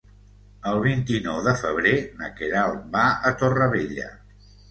El vint-i-nou de febrer na Queralt va a Torrevella.